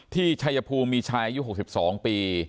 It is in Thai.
ที่ชายภูมิชายุ๖๒ปี